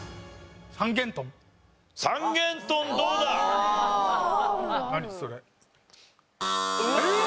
三元豚どうだ？えっ！？